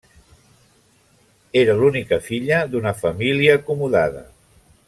Era l'única filla d'una família acomodada.